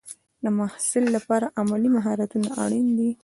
د محصل لپاره عملي مهارتونه اړین دي.